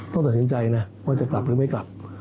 ต้องตัดสินใจนะว่าจะกลับหรือไม่กลับ